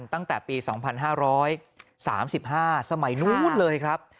ตั้งแต่ปี๒๕๓๕สมัยนู้นเลยครับ